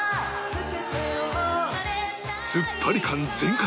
ツッパリ感全開！